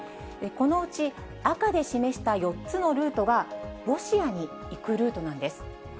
このうち、赤で示した４つのルートが、ロシアに行くルートなんです。